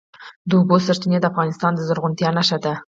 د اوبو سرچینې د افغانستان د زرغونتیا نښه ده.